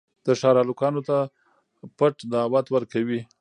د ښار هلکانو ته پټ دعوت ورکوي.